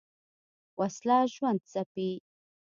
وسله ژوند ځپي